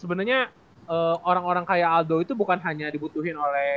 sebenernya orang orang kaya aldo not only dibutuhin kb sih